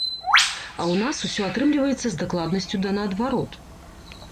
А ў нас ўсё атрымліваецца з дакладнасцю да наадварот.